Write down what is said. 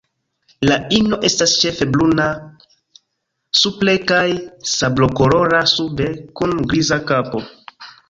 La ino estas ĉefe bruna supre kaj sablokolora sube, kun griza kapo.